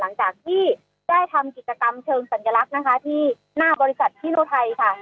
หลังจากที่ได้ทำกิจกรรมเชิงสัญลักษณ์นะคะที่หน้าบริษัทพิรุไทยค่ะ